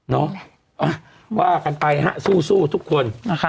นรกันไปนะว่ากันไปสู้ทุกคน